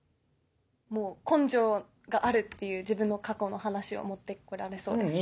もう根性があるっていう自分の過去の話を持って来られそうです。